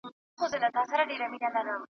لکه اوښکه بې هدفه رغړېدمه .